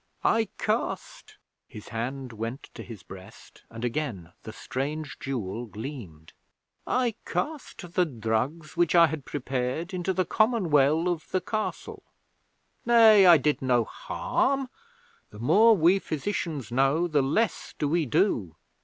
'I cast' his hand went to his breast, and again the strange jewel gleamed 'I cast the drugs which I had prepared into the common well of the Castle. Nay, I did no harm. The more we physicians know, the less do we do.